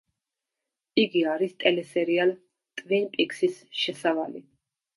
იგი არის ტელესერიალ „ტვინ პიქსის“ შესავალი.